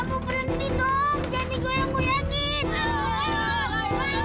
kamu berhenti dong jangan digoyang goyangin